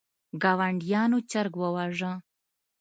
ګاونډیانو چرګ وواژه.